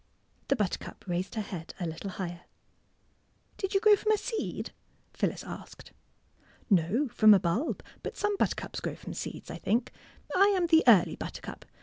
The buttercup raised her head a little higher. *' Did you grow from a seed? " Phyllis asked. *' No, from a bulb, but some buttercups grow from seeds, I think. I am the early buttercup.